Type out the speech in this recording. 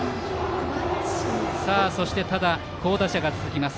そして、好打者が続きます。